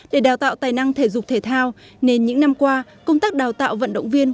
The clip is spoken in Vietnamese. để đào tạo tài năng thể dục thể thao nên những năm qua công tác đào tạo vận động viên